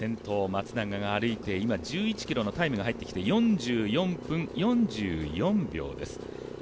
先頭、松永が歩いて今１１ｋｍのタイムが４４分４４秒です。